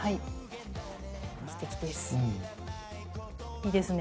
いいですね